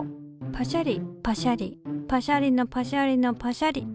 パシャリパシャリパシャリのパシャリのパシャリ。